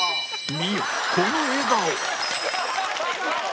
見よこの笑顔